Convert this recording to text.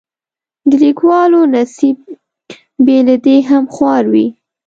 د لیکوالو نصیب بې له دې هم خوار وي.